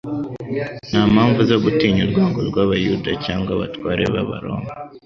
Nta mpamvu zo gutinya urwango rw'Abayuda cyangwa abatware b'abaroma.